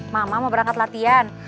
mama mau berangkat latihan